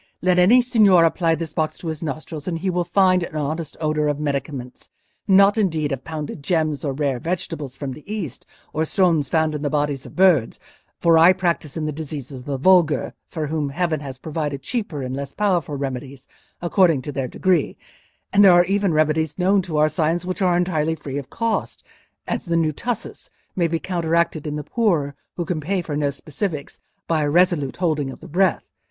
"Let any signor apply this box to his nostrils and he will find an honest odour of medicaments—not indeed of pounded gems, or rare vegetables from the East, or stones found in the bodies of birds; for I practise on the diseases of the vulgar, for whom heaven has provided cheaper and less powerful remedies according to their degree: and there are even remedies known to our science which are entirely free of cost—as the new tussis may be counteracted in the poor, who can pay for no specifics, by a resolute holding of the breath.